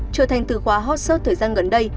trở thành từ khóa hot seart thời gian gần đây